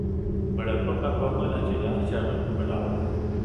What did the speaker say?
Pero poco a poco la ciudad se ha recuperado.